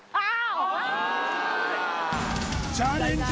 おっチャレンジ